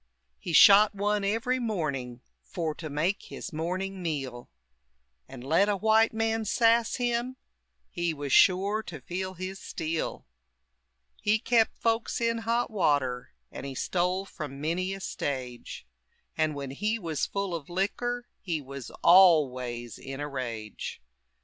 He shot one every morning, For to make his morning meal. And let a white man sass him, He was shore to feel his steel. He kept folks in hot water, And he stole from many a stage; And when he was full of liquor He was always in a rage.